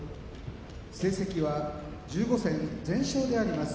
成績は１５戦全勝であります。